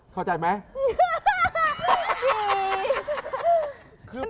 เข้าใจไหม